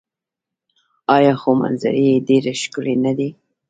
آیا خو منظرې یې ډیرې ښکلې نه دي؟